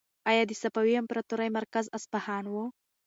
ایا د صفوي امپراطورۍ مرکز اصفهان و؟